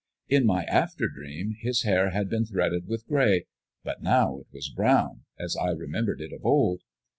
In my after dream, his hair had been threaded with gray; but now it was brown, as I remembered it of old.